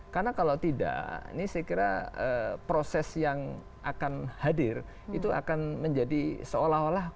karena kalau tidak ini saya kira proses yang akan hadir itu akan menjadi seolah olah